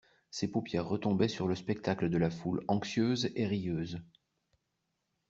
Ses paupières retombaient sur le spectacle de la foule anxieuse et rieuse.